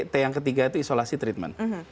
t yang ketiga itu isolasi treatment